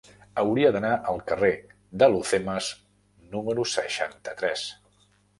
Hauria d'anar al carrer d'Alhucemas número seixanta-tres.